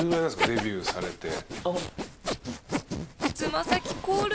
デビューされて。